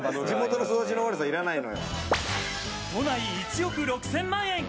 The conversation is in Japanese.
都内１億６０００万円。